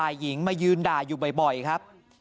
หญิงมายืนด่าอยู่บ่อยครับ